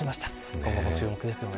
今後も注目ですよね。